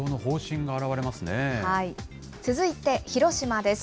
続いて、広島です。